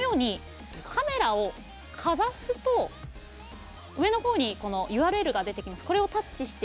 カメラをかざすと上のほうにＵＲＬが出てきます。